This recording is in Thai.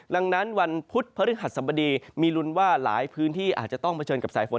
ดังนั้นวันพุธพฤหัสสบดีมีลุ้นว่าหลายพื้นที่อาจจะต้องเผชิญกับสายฝน